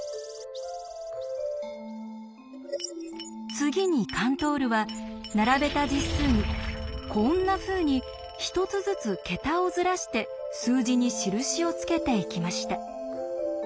次にカントールは並べた実数にこんなふうに１つずつ桁をずらして数字に印をつけていきました。